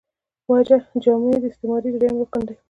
وجه جامع داستعارې درېیم رکن دﺉ.